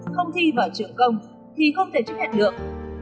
không thi vào trường công thì không thể chấp nhận được